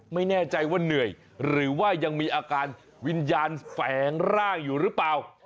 ไม่แน่ใจว่าเหนื่อยหรือว่ายังมีอาการวิญญาณแฝงร่างอยู่หรือเปล่า